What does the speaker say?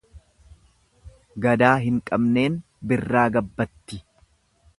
Gadaa hin qabneen birraa gabbatti.